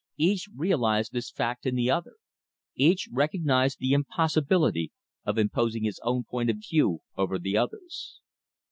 Each realized this fact in the other. Each recognized the impossibility of imposing his own point of view over the other's.